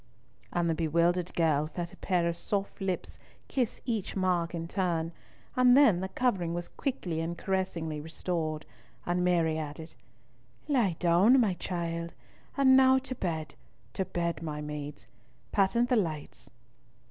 And the bewildered girl felt a pair of soft lips kiss each mark in turn, and then the covering was quickly and caressingly restored, and Mary added, "Lie down, my child, and now to bed, to bed, my maids. Patent the lights."